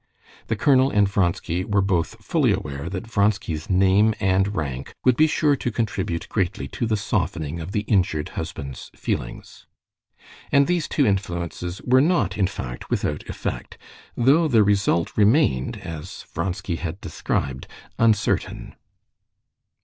The colonel and Vronsky were both fully aware that Vronsky's name and rank would be sure to contribute greatly to the softening of the injured husband's feelings. And these two influences were not in fact without effect; though the result remained, as Vronsky had described, uncertain.